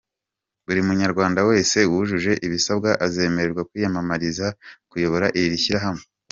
Buri Munyarwanda wese wujuje ibisabwa azemerwa kwiyamamariza kuyobora iri shyirahamwe.